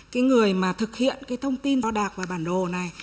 cái người mà thực hiện cái thông tin đo đạc và bản đồ này